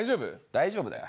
大丈夫だよ。